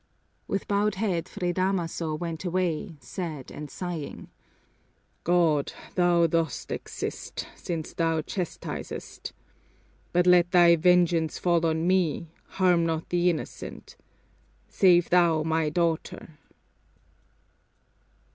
With bowed head Fray Damaso went away, sad and sighing. "God, Thou dost exist, since Thou chastisest! But let Thy vengeance fall on me, harm not the innocent. Save Thou my daughter!"